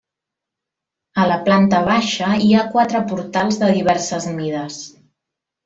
A la planta baixa hi ha quatre portals de diverses mides.